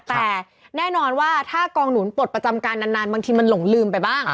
แต่แน่นอนว่าถ้ากองหนุนปลดประจำการนานบางทีมันหลงลืมไปบ้าง